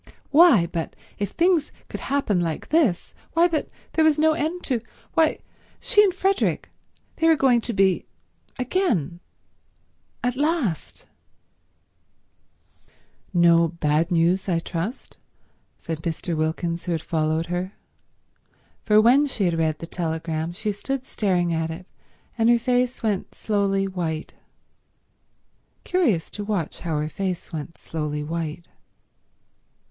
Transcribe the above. Why, but if things could happen like this— why, but there was no end to—why, she and Frederick—they were going to be—again—at last— "No bad news, I trust?" said Mr. Wilkins who had followed her, for when she had read the telegram she stood staring at it and her face went slowly white. Curious to watch how her face went slowly white.